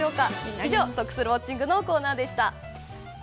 以上、得するウオッチングのコーナーでした。